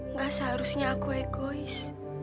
nggak seharusnya aku egois